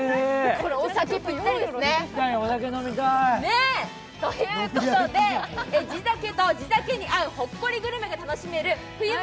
これ、お酒ぴったりですね。ということで地酒と地酒に合うほっこりグルメが楽しめる冬祭！